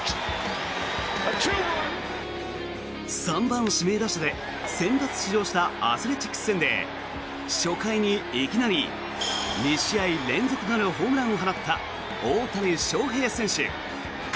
３番指名打者で先発出場したアスレチックス戦で初回にいきなり２試合連続となるホームランを放った大谷翔平選手。